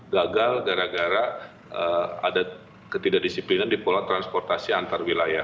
gagal gara gara ada ketidakdisiplinan di pola transportasi antar wilayah